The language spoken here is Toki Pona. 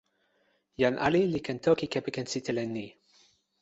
jan ali li ken toki kepeken sitelen ni.